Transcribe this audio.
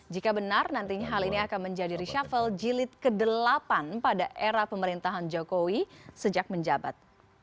jika benar nantinya hal ini akan menjadi reshuffle jilid ke delapan pada era pemerintahan jokowi sejak menjabat